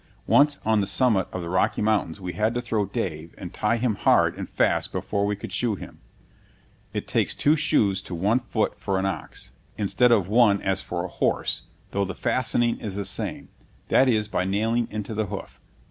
Once, on the summit of the Rocky Mountains, we had to throw Dave and tie him hard and fast before we could shoe him. It takes two shoes to one foot for an ox, instead of one as for a horse, though the fastening is the same; that is, by nailing into the hoof.